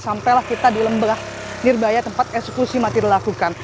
sampailah kita di lembah nirbaya tempat eksekusi mati dilakukan